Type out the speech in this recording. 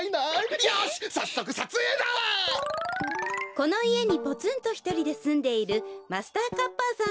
このいえにポツンとひとりですんでいるマスターカッパさんです。